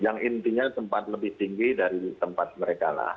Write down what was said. yang intinya sempat lebih tinggi dari tempat mereka lah